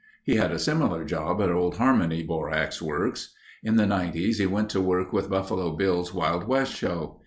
He had a similar job at Old Harmony Borax Works. In the Nineties he went to work with Buffalo Bill's Wild West Show.